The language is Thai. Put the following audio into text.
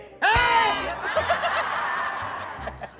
เฮ้ย